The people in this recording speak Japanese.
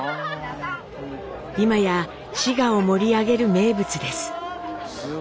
今や滋賀を盛り上げる名物です。